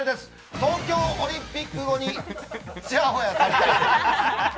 東京オリンピック後にちやほやされたい。